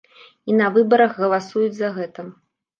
І на выбарах галасуюць за гэта.